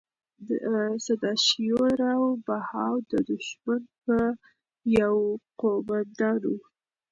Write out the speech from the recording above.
سداشیو راو بهاو د دښمن یو قوماندان و.